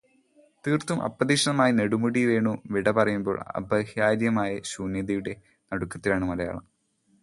തീർത്തും അപ്രതീക്ഷിതമായി നെടുമുടി വേണു വിട പറയുമ്പോൾ, അപരിഹാര്യമായ ശൂന്യതയുടെ നടുക്കത്തിലാണ് മലയാളം.